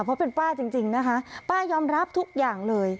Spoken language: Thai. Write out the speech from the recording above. เพราะเป็นป้าจริงนะคะป้ายอมรับทุกอย่างเลย